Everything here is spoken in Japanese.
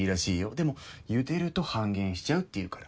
でもゆでると半減しちゃうっていうから。